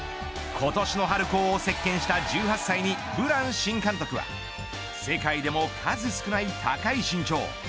今年の春高を席巻した１８歳にブラン新監督は世界でも数少ない高い身長。